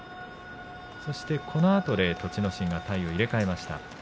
このあとで栃ノ心が体を入れ替えました。